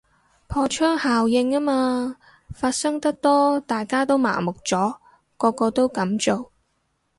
破窗效應吖嘛，發生得多大家都麻木咗，個個都噉做